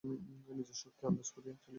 নিজের শক্তি আন্দাজ করিয়া চলিবে।